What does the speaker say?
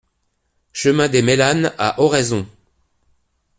Chemin des Mélanes à Oraison